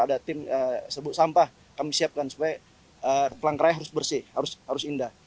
ada tim sebut sampah kami siapkan supaya pelangkeraya harus bersih harus indah